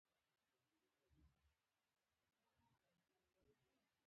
د نیکه نوم یحيی خان او د غورنیکه نوم یې ملک اکوړه وو